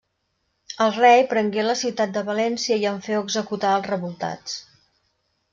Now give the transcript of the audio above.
El rei prengué la ciutat de València i en féu executar els revoltats.